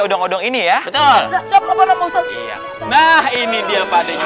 odong odong ini ya nah ini dia padanya